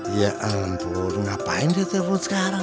ya ampun ngapain dia sebut sekarang